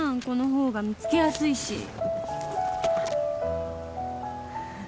この方が見つけやすいし